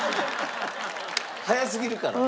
早すぎるから？